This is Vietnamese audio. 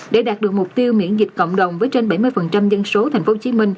để đạt được mục tiêu miễn dịch cộng đồng với trên bảy mươi dân số tp hcm